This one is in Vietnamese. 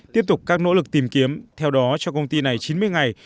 tiếp tục các nỗ lực tìm kiếm theo đó cho công ty này chín mươi ngày